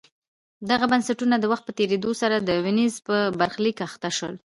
دغه بنسټونه د وخت په تېرېدو سره د وینز په برخلیک اخته شول